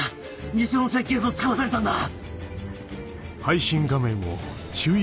偽の設計図をつかまされたんだ！